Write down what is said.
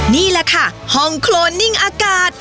นี่แหละค่ะห้องโครนนิ่งอากาศ